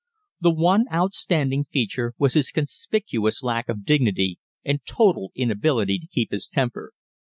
The one outstanding feature was his conspicuous lack of dignity and total inability to keep his temper.